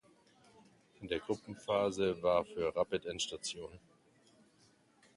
In der Gruppenphase war für Rapid Endstation.